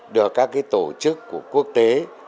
được các cái tổ chức của quốc tế